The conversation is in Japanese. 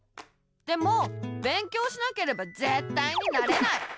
でも勉強しなければぜったいになれない！